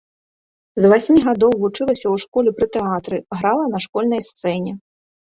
З васьмі гадоў вучылася ў школе пры тэатры, грала на школьнай сцэне.